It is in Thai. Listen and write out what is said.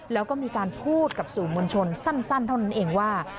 แล้วก็มีการพูดกับสื่อมวลชนสั้นเท่านั้นเองว่า